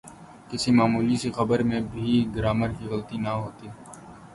کسی معمولی سی خبر میں بھی گرائمر کی غلطی نہ ہوتی۔